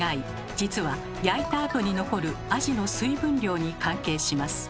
実は焼いたあとに残るアジの水分量に関係します。